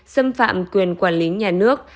xâm phạm quyền quản lý nhà nước